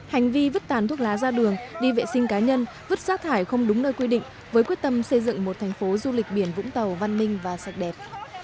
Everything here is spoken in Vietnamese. hành vi vứt tàn thuốc lá ra đường đi vệ sinh cá nhân vứt rác thải không đúng nơi quy định với quyết tâm xây dựng một thành phố du lịch biển vũng tàu văn minh và sạch đẹp